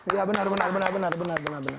iya benar benar benar